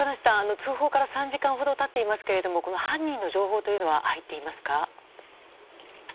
通報から３時間ほど経っていますが犯人の情報というのは入っていますか？